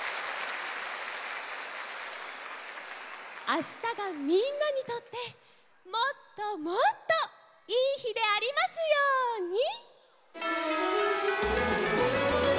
あしたがみんなにとってもっともっといいひでありますように！